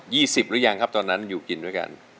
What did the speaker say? หรือยังครับตอนนั้นอยู่กินด้วยกัน